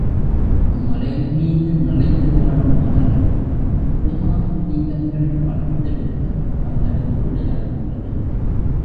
அம் மலைமீது நிறைந்து வாழும் வானரக் கூட்டம் தேமாவின் தீங்கனிகளைப் பறித்தெடுத்துப் பந்தடித்து விளையாடுகின்றது.